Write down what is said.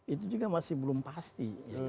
itu juga masih belum pasti